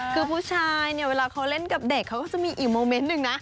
คือผู้ชายเนี่ยเวลาเขาเล่นกับเด็กเขาก็จะมีอีกโมเมนต์หนึ่งนะ